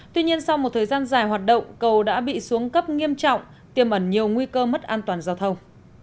tuy nhiên sau một thời gian dài hoạt động cầu đã bị xuống cấp nghiêm trọng tiêm ẩn nhiều nguy cơ mất an toàn giao thông